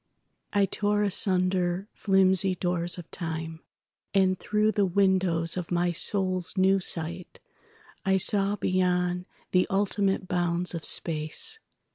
I tore asunder flimsy doors of time, And through the windows of my soul's new sightI saw beyond the ultimate bounds of space.